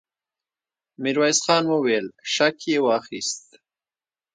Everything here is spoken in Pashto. ميرويس خان وويل: شک يې واخيست!